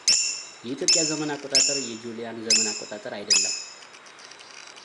የኢትዮጵያ ዘመን ኣቆጣጠር የጁልያን ዘመን ኣቆጣጠር ኣይደለም።